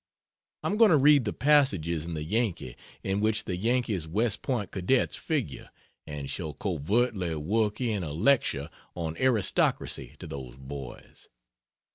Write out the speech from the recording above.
I'm going to read the passages in the "Yankee" in which the Yankee's West Point cadets figure and shall covertly work in a lecture on aristocracy to those boys.